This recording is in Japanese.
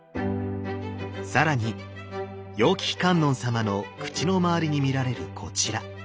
更に楊貴妃観音様の口の周りに見られるこちら。